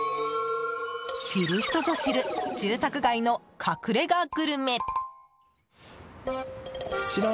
知る人ぞ知る住宅街の隠れ家グルメ！